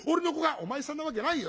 「お前さんのわけないよ。